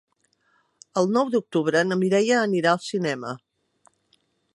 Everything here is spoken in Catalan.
El nou d'octubre na Mireia anirà al cinema.